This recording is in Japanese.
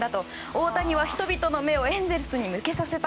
大谷は人々の目をエンゼルスに向けさせた。